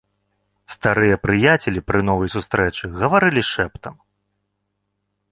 Старыя прыяцелі пры новай сустрэчы гаварылі шэптам.